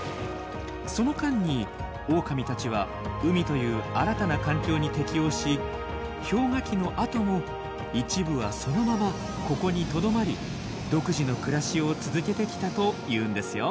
その間にオオカミたちは海という新たな環境に適応し氷河期のあとも一部はそのままここにとどまり独自の暮らしを続けてきたというんですよ。